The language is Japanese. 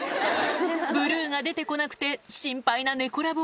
ブルーが出て来なくて心配な猫ＬＯＶＥ